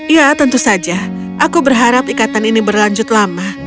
ya tentu saja aku berharap ikatan ini berlanjut lama